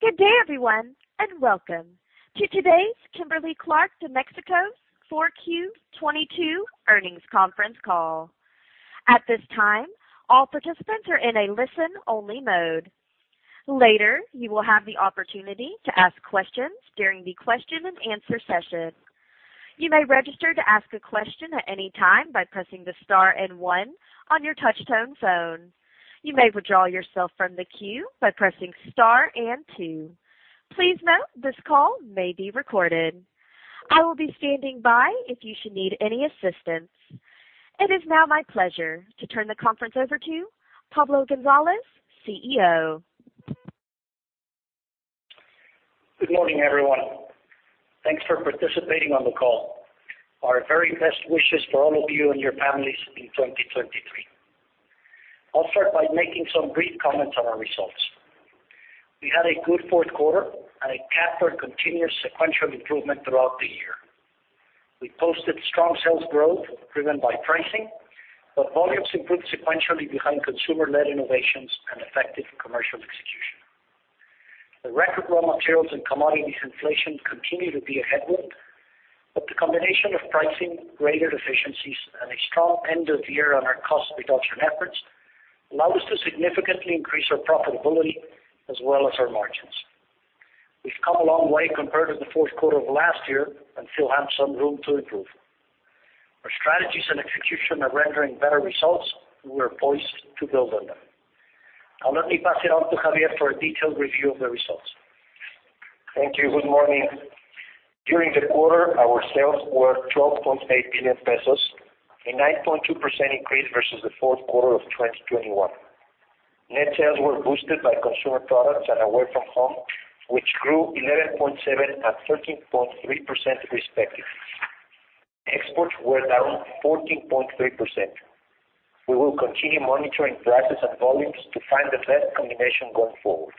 Good day, everyone, and welcome to today's Kimberly-Clark de México's 4Q 2022 earnings conference call. At this time, all participants are in a listen-only mode. Later, you will have the opportunity to ask questions during the question and answer session. You may register to ask a question at any time by pressing the star one on your touch tone phone. You may withdraw yourself from the queue by pressing star two. Please note this call may be recorded. I will be standing by if you should need any assistance. It is now my pleasure to turn the conference over to Pablo González, CEO. Good morning, everyone. Thanks for participating on the call. Our very best wishes for all of you and your families in 2023. I'll start by making some brief comments on our results. We had a good fourth quarter and continuous sequential improvement throughout the year. We posted strong sales growth driven by pricing, but volumes improved sequentially behind consumer-led innovations and effective commercial execution. The record raw materials and commodity inflation continue to be a headwind, but the combination of pricing, greater efficiencies, and a strong end of the year on our cost reduction efforts allow us to significantly increase our profitability as well as our margins. We've come a long way compared to the fourth quarter of last year and still have some room to improve. Our strategies and execution are rendering better results. We are poised to build on them. I'll now pass it on to Xavier for a detailed review of the results. Thank you. Good morning. During the quarter, our sales were 12.8 billion pesos, a 9.2% increase versus the fourth quarter of 2021. Net sales were boosted by consumer products and Away from Home, which grew 11.7% and 13.3% respectively. Exports were down 14.3%. We will continue monitoring prices and volumes to find the best combination going forward.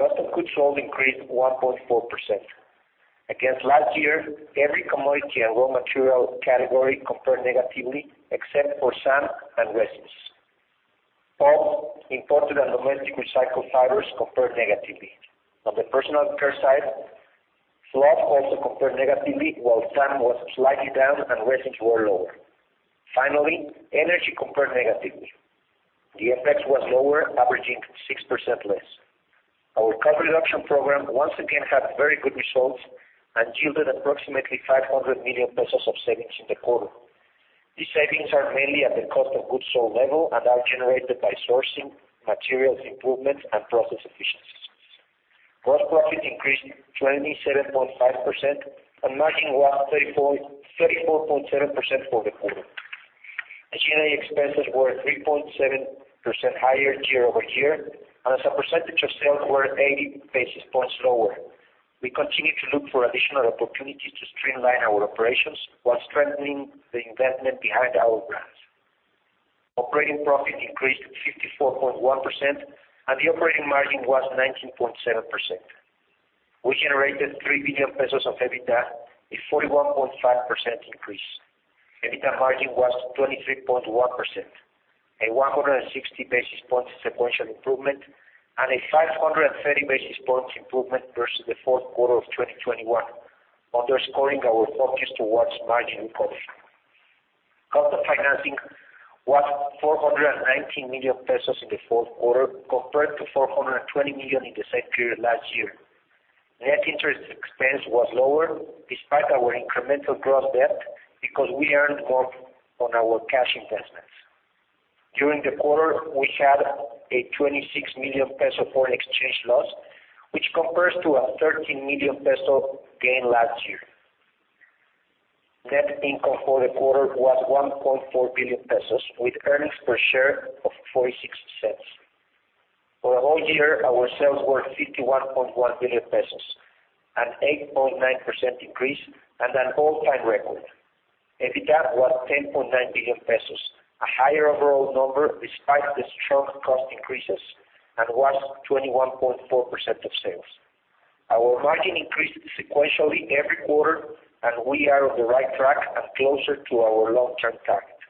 Customer goods sold increased 1.4%. Against last year, every commodity and raw material category compared negatively except for SAP and resins. Pulp, imported and domestic recycled fibers compared negatively. On the personal care side, fluff also compared negatively, while SAP was slightly down and resins were lower. Energy compared negatively. The FX was lower, averaging 6% less. Our cost reduction program once again had very good results. Yielded approximately 500 million pesos of savings in the quarter. These savings are mainly at the cost of goods sold level and are generated by sourcing, materials improvements, and process efficiencies. Gross profit increased 27.5%. Margin was 34.7% for the quarter. G&A expenses were 3.7% higher year-over-year. As a percentage of sales were 80 basis points lower. We continue to look for additional opportunities to streamline our operations while strengthening the investment behind our brands. Operating profit increased 54.1%. The operating margin was 19.7%. We generated 3 billion pesos of EBITDA, a 41.5% increase. EBITDA margin was 23.1%, a 160 basis points sequential improvement and a 530 basis points improvement versus the fourth quarter of 2021, underscoring our focus towards margin recovery. Cost of financing was 419 million pesos in the fourth quarter, compared to 420 million in the same period last year. Net interest expense was lower despite our incremental gross debt because we earned more on our cash investments. During the quarter, we had a 26 million peso foreign exchange loss, which compares to a 13 million peso gain last year. Net income for the quarter was 1.4 billion pesos, with earnings per share of 0.46. For the whole year, our sales were 51.1 billion pesos, an 8.9% increase and an all time record. EBITDA was 10.9 billion pesos, a higher overall number despite the strong cost increases and was 21.4% of sales. Our margin increased sequentially every quarter. We are on the right track and closer to our long term target.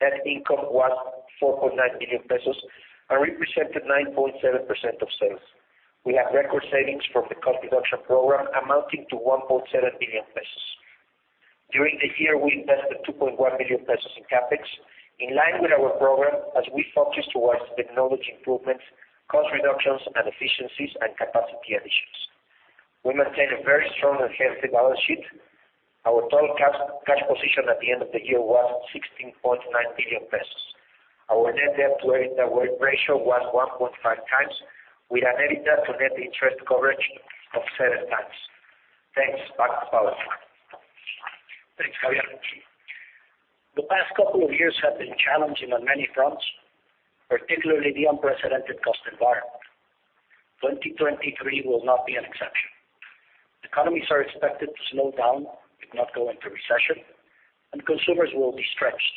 Net income was 4.9 billion pesos and represented 9.7% of sales. We have record savings from the cost reduction program amounting to 1.7 billion pesos. During the year, we invested 2.1 billion pesos in CapEx, in line with our program as we focus towards technology improvements, cost reductions and efficiencies, and capacity additions. We maintain a very strong and healthy balance sheet. Our total cash position at the end of the year was 16.9 billion pesos. Our net debt to EBITDA ratio was 1.5x with an EBITDA to net interest coverage of 7x. Thanks. Back to Pablo. Thanks. The past couple of years have been challenging on many fronts, particularly the unprecedented cost environment. 2023 will not be an exception. Economies are expected to slow down, if not go into recession, and consumers will be stretched.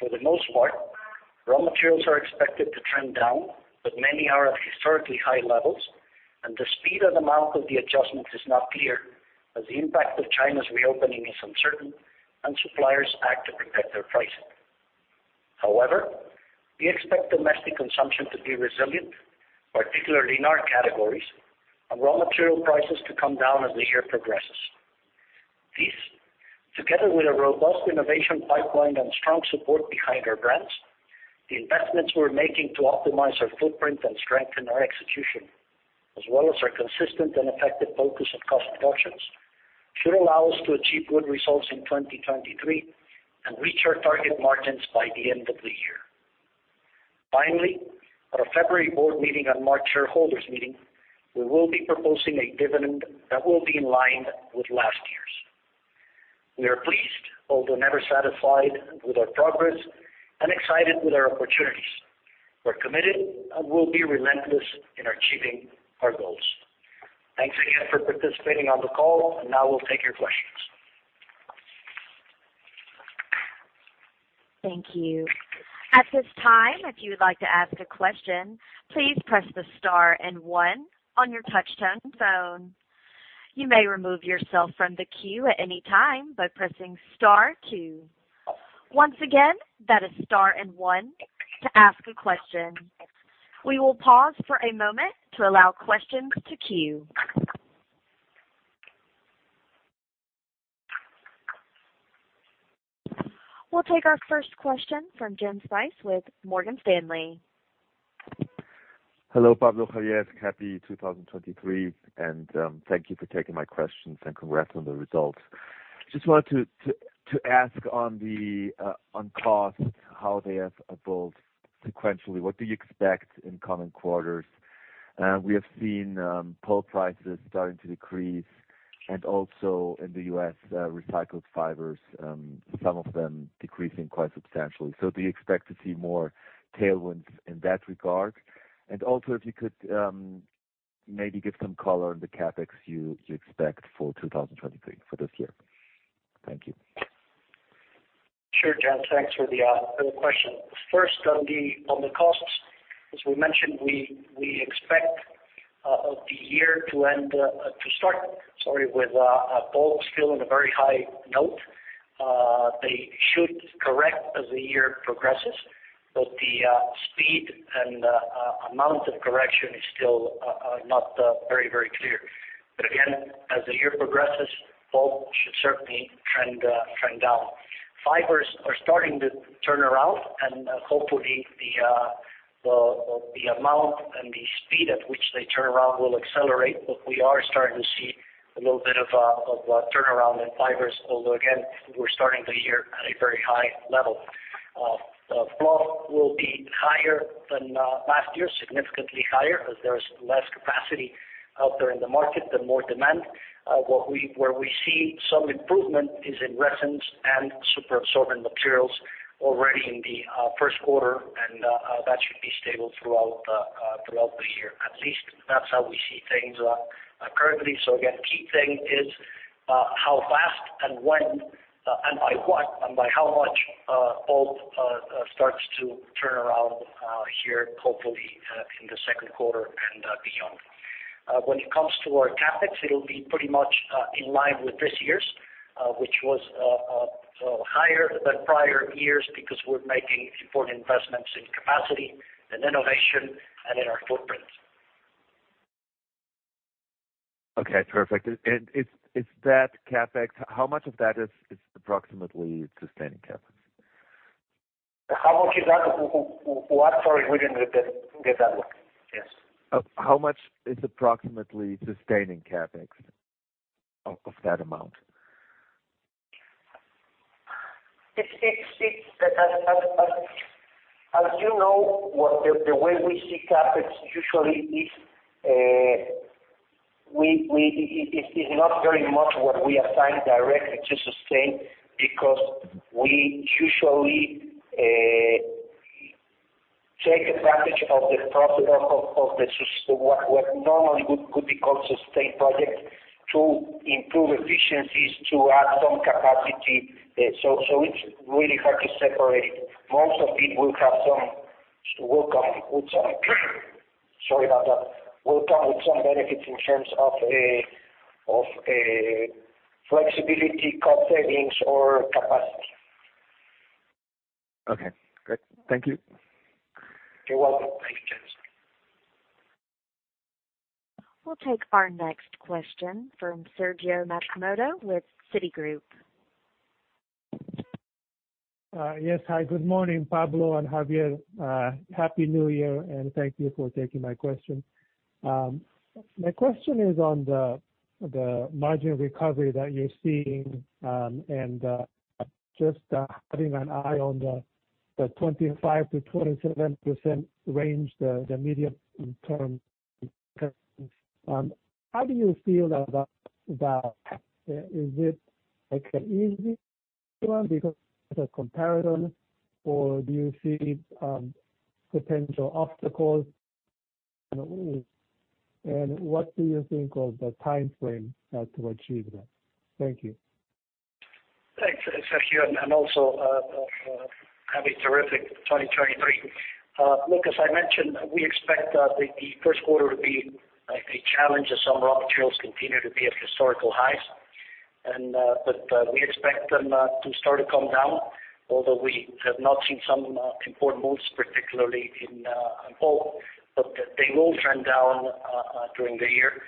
For the most part, raw materials are expected to trend down, but many are at historically high levels, and the speed and amount of the adjustment is not clear as the impact of China's reopening is uncertain and suppliers act to protect their pricing. We expect domestic consumption to be resilient, particularly in our categories, and raw material prices to come down as the year progresses. This, together with a robust innovation pipeline and strong support behind our brands, the investments we're making to optimize our footprint and strengthen our execution, as well as our consistent and effective focus on cost reductions, should allow us to achieve good results in 2023 and reach our target margins by the end of the year. Finally, at our February board meeting and March shareholders meeting, we will be proposing a dividend that will be in line with last year's. We are pleased, although never satisfied with our progress and excited with our opportunities. We're committed and will be relentless in achieving our goals. Thanks again for participating on the call, and now we'll take your questions. Thank you. At this time, if you would like to ask a question, please press the star and one on your touchtone phone. You may remove yourself from the queue at any time by pressing star two. Once again, that is star and one to ask a question. We will pause for a moment to allow questions to queue. We'll take our first question from Jens Spiess with Morgan Stanley. Hello, Pablo, Xavier. Happy 2023, thank you for taking my questions and congrats on the results. Just wanted to ask on the costs, how they have evolved sequentially. What do you expect in coming quarters? We have seen pulp prices starting to decrease and also in The U.S., recycled fibers, some of them decreasing quite substantially. Do you expect to see more tailwinds in that regard? Also if you could maybe give some color on the CapEx you expect for 2023, for this year. Thank you. Sure, Jens. Thanks for the question. First, on the costs, as we mentioned, we expect the year to end, to start, sorry, with pulp still in a very high note. They should correct as the year progresses, but the speed and amount of correction is still not very, very clear. Again, as the year progresses, pulp should certainly trend trend down. Fibers are starting to turn around, and hopefully the amount and the speed at which they turn around will accelerate. We are starting to see a little bit of a turnaround in fibers, although again, we're starting the year at a very high level. Fluff will be higher than last year, significantly higher, as there is less capacity out there in the market and more demand. Where we see some improvement is in resins and superabsorbent materials already in the first quarter, and that should be stable throughout the year. At least that's how we see things currently. Again, key thing is how fast and when, and by what and by how much pulp starts to turn around here, hopefully, in the second quarter and beyond. When it comes to our CapEx, it'll be pretty much in line with this year's, which was higher than prior years because we're making important investments in capacity and innovation and in our footprint. Okay, perfect. Is that CapEx, how much of that is approximately sustaining CapEx? How much is that? What? Sorry, we didn't get that one. Yes. How much is approximately sustaining CapEx of that amount? It's As you know, what the way we see CapEx usually is, we it is not very much what we assign directly to sustain because we usually take advantage of the profit of the what normally could be called sustain project to improve efficiencies, to add some capacity. So it's really hard to separate it. Most of it will have some benefits in terms of a flexibility cost savings or capacity. Okay, great. Thank you. You're welcome. Thank you, Jens. We'll take our next question from Sergio Matsumoto with Citigroup. Yes. Hi, good morning, Pablo and Xavier. Happy New Year, and thank you for taking my question. My question is on the margin recovery that you're seeing, and just having an eye on the 25%-27% range, the medium term. How do you feel about that? Is it like an easy one because the comparison, or do you see potential obstacles? What do you think of the timeframe to achieve that? Thank you. Thanks, Sergio, and also, happy terrific 2023. Look, as I mentioned, we expect the first quarter to be a challenge as some raw materials continue to be at historical highs. But we expect them to start to come down, although we have not seen some important moves, particularly in fluff, but they will trend down during the year.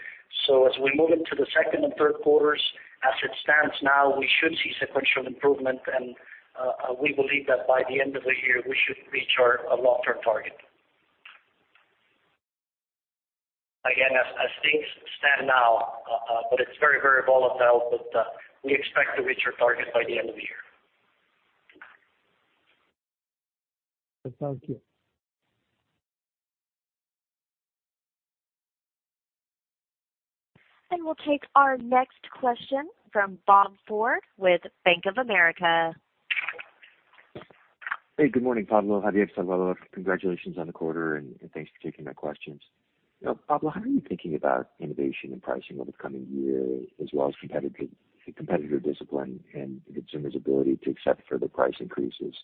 As we move into the second and third quarters, as it stands now, we should see sequential improvement. We believe that by the end of the year, we should reach our long-term target. Again, as things stand now, but it's very, very volatile, but we expect to reach our target by the end of the year. Thank you. We'll take our next question from Robert Ford with Bank of America. Hey, good morning, Pablo, Xavier. Congratulations on the quarter. Thanks for taking my questions. Pablo, how are you thinking about innovation and pricing over the coming year as well as competitor discipline and the consumer's ability to accept further price increases?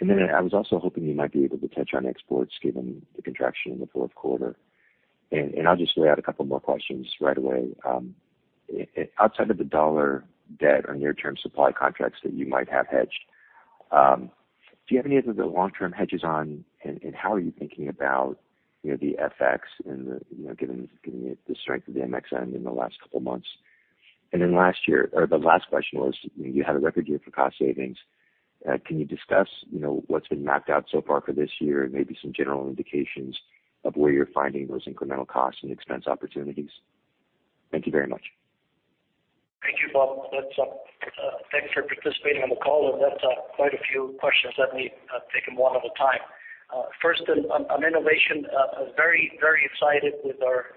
I was also hoping you might be able to touch on exports given the contraction in the fourth quarter. I'll just lay out two more questions right away. Outside of the dollar debt or near-term supply contracts that you might have hedged, do you have any other long-term hedges on, how are you thinking about, you know, the FX and the, you know, given the strength of the MXN in the last couple of months? The last question was, you had a record year for cost savings. Can you discuss, you know, what's been mapped out so far for this year and maybe some general indications of where you're finding those incremental costs and expense opportunities? Thank you very much. Thank you. That's thanks for participating on the call. That's quite a few questions. Let me take them one at a time. First, on innovation, very, very excited with our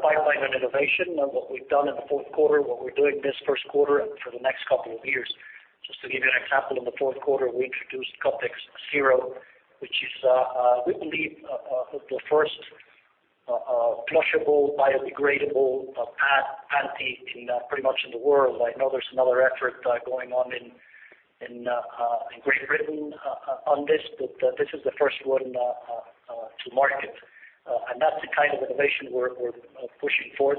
pipeline on innovation and what we've done in the fourth quarter, what we're doing this first quarter, and for the next couple of years. Just to give you an example, in the fourth quarter, we introduced Kotex Cero, which is we believe the first flushable, biodegradable pad panty in pretty much in the world. I know there's another effort going on in Great Britain on this, but this is the first one to market. That's the kind of innovation we're pushing forth.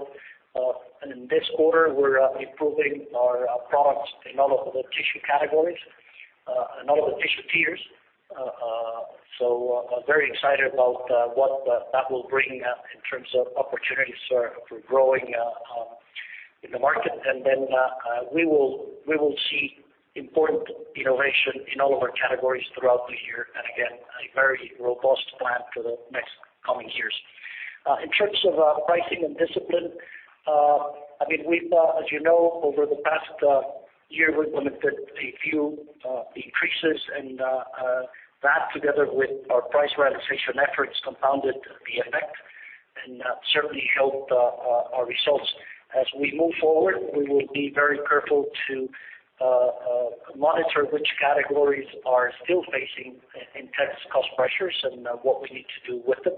In this quarter, we're improving our products in all of the tissue categories, in all of the tissue tiers. Very excited about what that will bring in terms of opportunities for growing in the market. We will see important innovation in all of our categories throughout the year, again, a very robust plan for the next coming years. In terms of pricing and discipline, I mean, we've, as you know, over the past year, we've limited a few increases, and that together with our price realization efforts compounded the effect and certainly helped our results. As we move forward, we will be very careful to monitor which categories are still facing intense cost pressures and what we need to do with them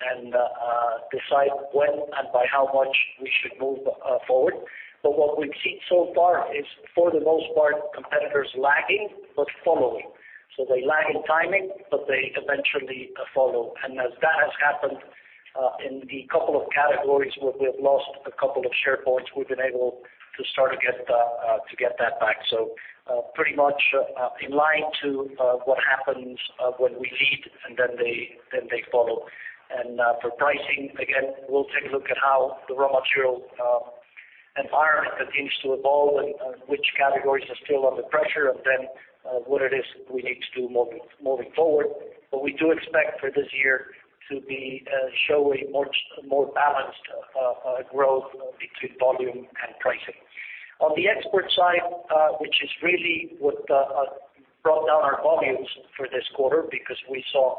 and decide when and by how much we should move forward. What we've seen so far is, for the most part, competitors lagging but following. They lag in timing, but they eventually follow. As that has happened, in the couple of categories where we have lost a couple of share points, we've been able to start to get that back. Pretty much in line to what happens when we lead, and then they follow. For pricing, again, we'll take a look at how the raw material environment continues to evolve and which categories are still under pressure and then what it is we need to do moving forward. We do expect for this year to be show a much more balanced growth between volume and pricing. On the export side, which is really what brought down our volumes for this quarter because we saw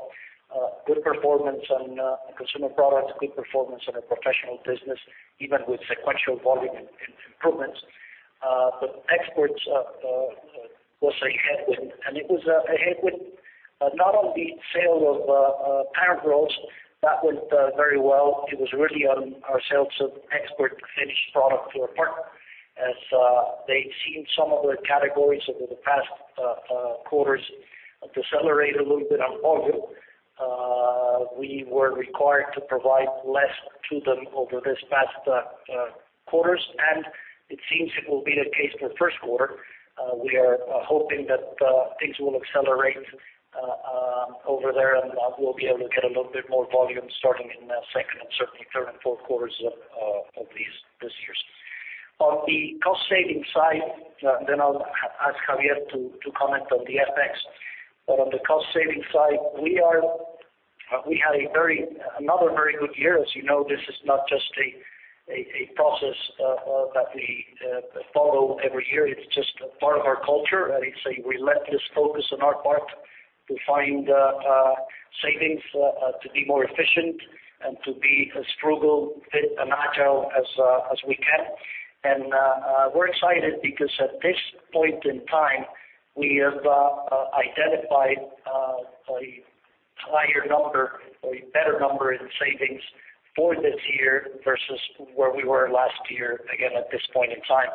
good performance on consumer products, good performance on a professional business, even with sequential volume improvements. Exports was a headwind, and it was a headwind not on the sale of parent rolls. That went very well. It was really on our sales of export finished product to a partner. As they'd seen some of their categories over the past quarters decelerate a little bit on volume, we were required to provide less to them over this past quarters, and it seems it will be the case for first quarter. We are hoping that things will accelerate over there, and we'll be able to get a little bit more volume starting in the second and certainly third and fourth quarters of these, this years. On the cost-saving side, then I'll ask Xavier to comment on the FX. On the cost-saving side, we had another very good year. As you know, this is not just a process that we follow every year. It's just a part of our culture. It's a relentless focus on our part to find savings, to be more efficient and to be as frugal, fit, and agile as we can. We're excited because at this point in time, we have identified a higher number, a better number in savings for this year versus where we were last year, again, at this point in time.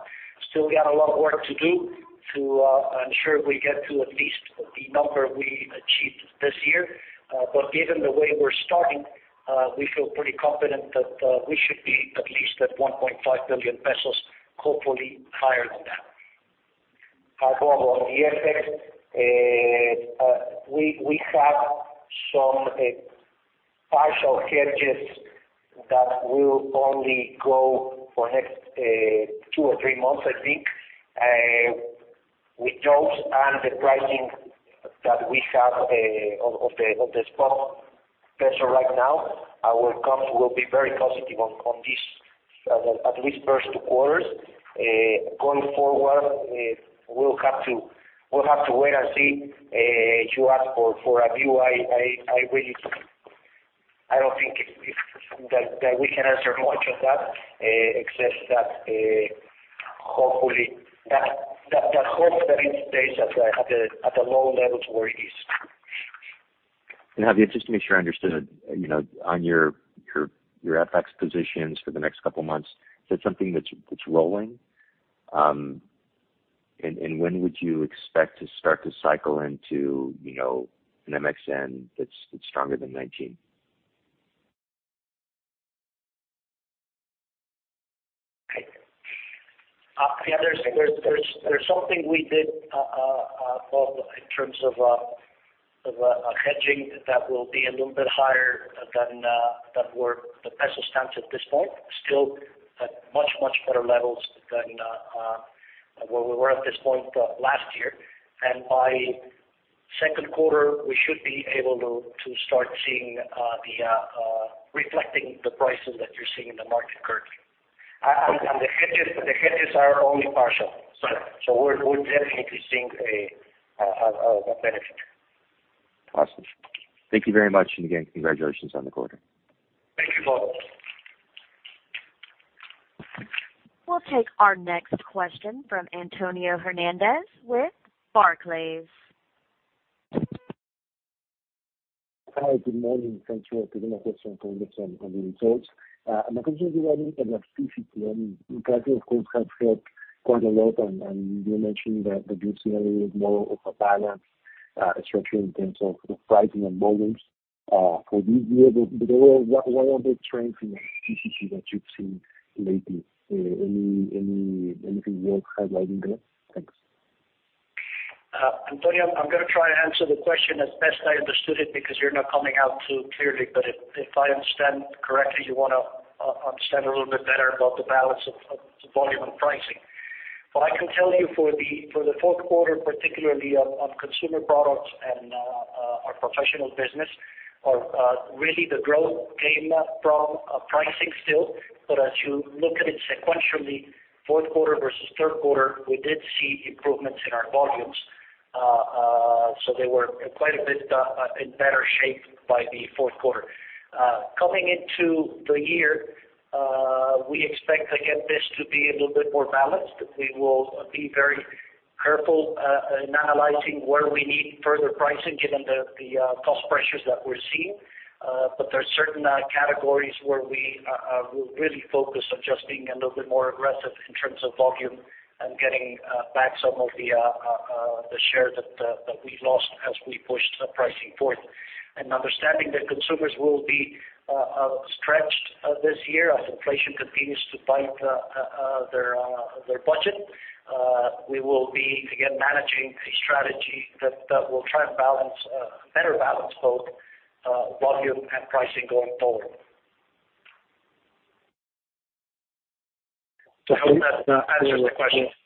Still got a lot of work to do to ensure we get to at least the number we achieved this year. Given the way we're starting, we feel pretty confident that we should be at least at 1.5 billion pesos, hopefully higher than that. Pablo, on the FX, we have some partial hedges that will only go for next two or three months, I think. With those and the pricing that we have, of the spot peso right now, our costs will be very positive on this at least first two quarters. Going forward, we'll have to wait and see. You ask for a view. I really don't think that we can answer much of that, except that hopefully that hope that it stays at a low level to where it is. Xavier, just to make sure I understood, you know, on your FX positions for the next couple of months, is that something that's rolling? When would you expect to start to cycle into, you know, an MXN that's stronger than 2019? Yeah. There's something we did, Pablo, in terms of hedging that will be a little bit higher than where the peso stands at this point, still at much, much better levels than where we were at this point last year. By second quarter, we should be able to start seeing reflecting the prices that you're seeing in the market currently. And the hedges, the hedges are only partial. Right. We're definitely seeing a benefit. Awesome. Thank you very much. Again, congratulations on the quarter. Thank you, Pablo. We'll take our next question from Antonio Hernández with Barclays. `Hi, good morning. Thanks for taking my question. Congratulations on the results. Uh my question to you a little bit about CCPM. Inflation, of course, has helped quite a lot, and you mentioned that the good scenario is more of a balance, uh, especially in terms of the pricing and volumes, uh, for this year. But overall, what are the trends in the CCP that you've seen lately? Uh, any, anything worth highlighting there Antonio, I'm gonna try and answer the question as best I understood it because you're not coming out too clearly. If I understand correctly, you wanna understand a little bit better about the balance of volume and pricing. What I can tell you for the fourth quarter, particularly of consumer products and our professional business are really the growth came from pricing still. As you look at it sequentially, fourth quarter versus third quarter, we did see improvements in our volumes. So they were quite a bit in better shape by the fourth quarter. Coming into the year, we expect, again, this to be a little bit more balanced. We will be very careful in analyzing where we need further pricing given the cost pressures that we're seeing. There are certain categories where we will really focus on just being a little bit more aggressive in terms of volume and getting back some of the share that we lost as we pushed pricing forward. Understanding that consumers will be stretched this year as inflation continues to bite their budget. We will be, again, managing a strategy that will try and balance, better balance both volume and pricing going forward.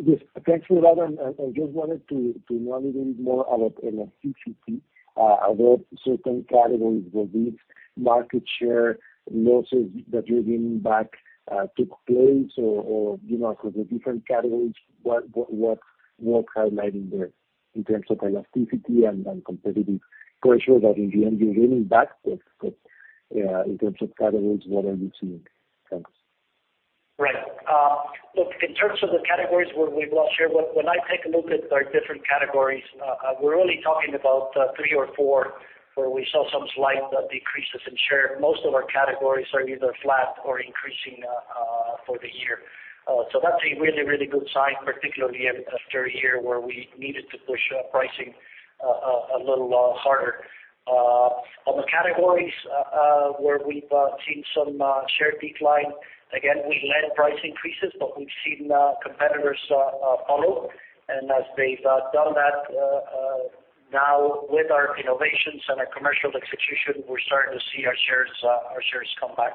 Yes. Thank you, Xavier. I just wanted to know a little bit more about elasticity. What certain categories where these market share losses that you're winning back took place or, you know, for the different categories, what worth highlighting there in terms of elasticity and competitive pressures that in the end you're winning back. In terms of categories, what are you seeing? Thanks. Right. Look, in terms of the categories where we've lost share, when I take a look at our different categories, we're only talking about three or four where we saw some slight decreases in share. Most of our categories are either flat or increasing for the year. That's a really, really good sign, particularly after a year where we needed to push pricing a little harder. On the categories where we've seen some share decline, again, we led price increases, but we've seen competitors follow. As they've done that, now with our innovations and our commercial execution, we're starting to see our shares come back.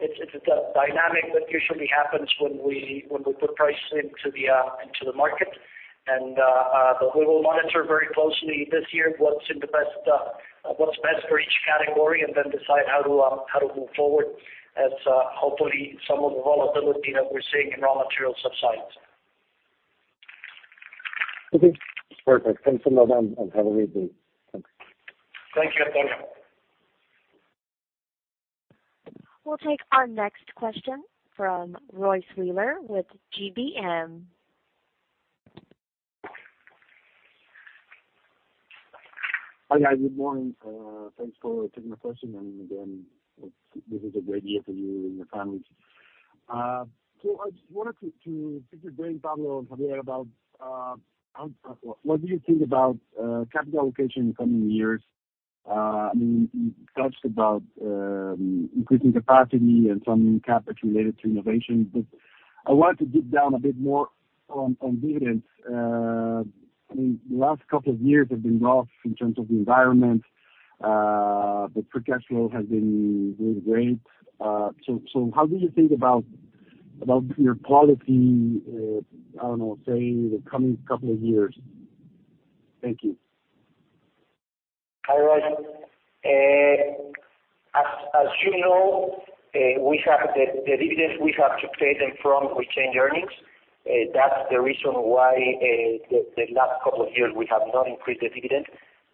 It's a dynamic that usually happens when we, when we put pricing to the into the market. But we will monitor very closely this year what's in the best, what's best for each category and then decide how to, how to move forward as, hopefully some of the volatility that we're seeing in raw materials subsides. Okay. Perfect. Thanks a lot. Have a great day. Thanks. Thank you, Antonio. We'll take our next question from Luis Willard with GBM. Hi, guys. Good morning. Thanks for taking the question. Again, this is a great year for you and your families. I just wanted to pick your brain, Pablo and Xavier, about what do you think about capital allocation in the coming years? I mean, you touched about increasing capacity and some CapEx related to innovation. I wanted to dig down a bit more on dividends. I mean, the last couple of years have been rough in terms of the environment, but free cash flow has been really great. How do you think about your policy, I don't know, say, in the coming couple of years? Thank you. Hi. As you know, we have the dividends we have to pay them from retained earnings. That's the reason why the last couple of years we have not increased the dividend.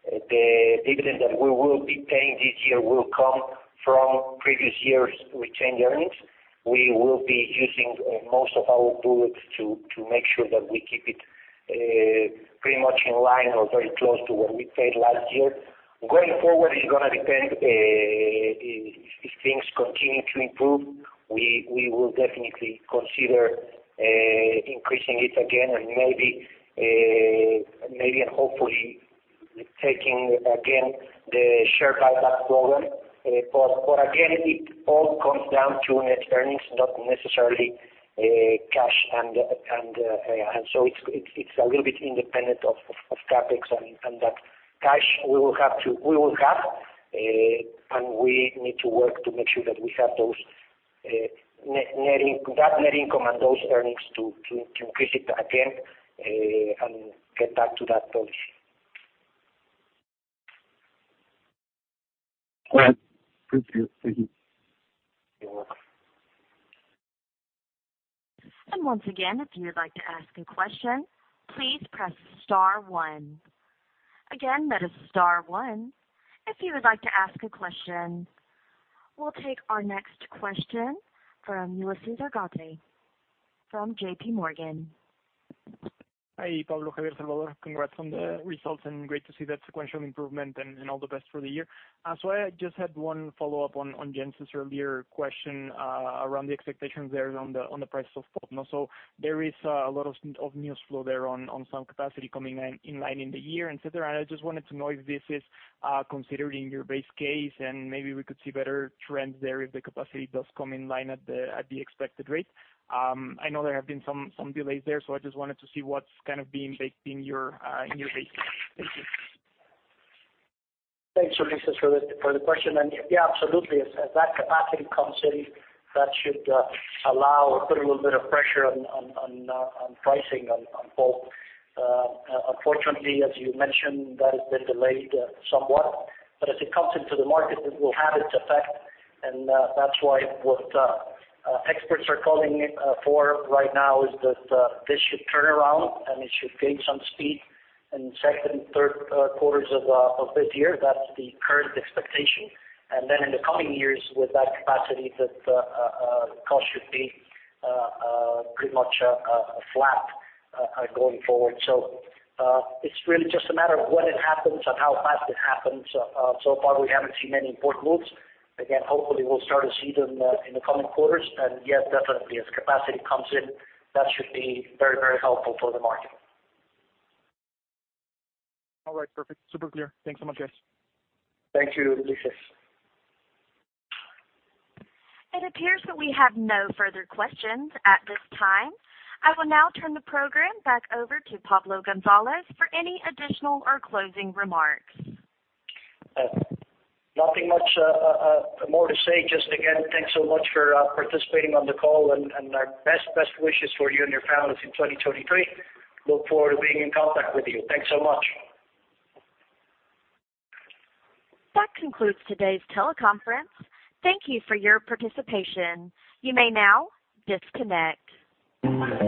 The dividend that we will be paying this year will come from previous years' retained earnings. We will be using most of our bullets to make sure that we keep it pretty much in line or very close to what we paid last year. Going forward, it's gonna depend if things continue to improve, we will definitely consider increasing it again and maybe and hopefully taking again the share buyback program. Again, it all comes down to net earnings, not necessarily cash and... It's a little bit independent of CapEx and that cash we will have, and we need to work to make sure that we have those that net income and those earnings to increase it again, and get back to that policy. All right. Thank you. Thank you. Once again, if you would like to ask a question, please press star one. Again, that is star one, if you would like to ask a question. We'll take our next question from Ulises Argote from JPMorgan. Hi, Pablo. Congrats on the results and great to see that sequential improvement and all the best for the year. I just had one follow-up on Jens' earlier question around the expectations there on the price of potash. There is a lot of news flow there on some capacity coming in line in the year, et cetera. I just wanted to know if this is considered in your base case and maybe we could see better trends there if the capacity does come in line at the expected rate. I know there have been some delays there, so I just wanted to see what's kind of being baked in your base case. Thank you. Thanks, Ulises, for the question. Yeah, absolutely. As that capacity comes in, that should allow or put a little bit of pressure on pricing on both. Unfortunately, as you mentioned, that has been delayed somewhat. As it comes into the market, it will have its effect. that's why what experts are calling it for right now is that this should turn around, and it should gain some speed in second and third quarters of this year. That's the current expectation. in the coming years, with that capacity that cost should be pretty much flat going forward. it's really just a matter of when it happens and how fast it happens. So far we haven't seen any important moves. Again, hopefully we'll start to see them in the coming quarters. Yes, definitely, as capacity comes in, that should be very, very helpful for the market. All right. Perfect. Super clear. Thanks so much, guys. Thank you, Ulises. It appears that we have no further questions at this time. I will now turn the program back over to Pablo González for any additional or closing remarks. Nothing much more to say. Just again, thanks so much for participating on the call and our best wishes for you and your families in 2023. Look forward to being in contact with you. Thanks so much. That concludes today's teleconference. Thank you for your participation. You may now disconnect.